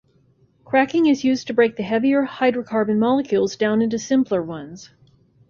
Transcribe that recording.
Cracking is used to break the heavier hydrocarbon molecules down into simpler ones.